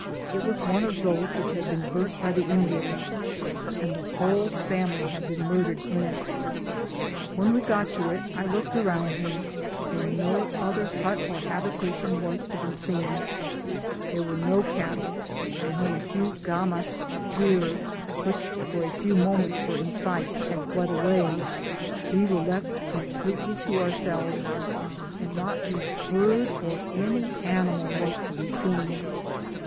It was one of those which had been burnt by the Indians, and the whole Digitized byGoogk 78 THE PAMPAS . family bad been murdered in it, Whai we got to it, I looked around me, and no other hut or habita tion was to be seen ; there were no cattle, and when a few ghmas (deer), which fpr a few mcHnents were in sight, had fled away, we w^e left completely to ourselves, and Hot a bird or any animal was tp be seen.